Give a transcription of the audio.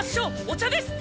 お茶です！